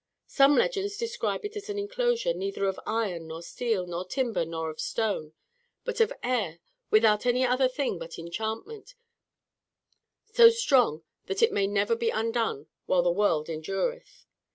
Some legends describe it as an enclosure "neither of iron nor steel nor timber nor of stone, but of the air, without any other thing but enchantment, so strong that it may never be undone while the world endureth."